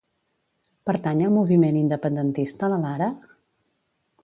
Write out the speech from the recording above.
Pertany al moviment independentista la Lara?